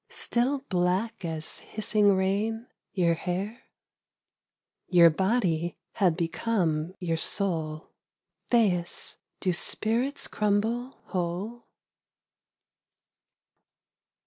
... Still black as hissing rain, your hair ? Your body bad become your soul. ... Thais, do spirits crumble whole